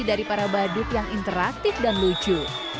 dari para badut yang interaktif dan lucu